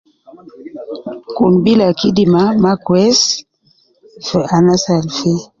Kun bila kidima maa kweis fu anas al fii.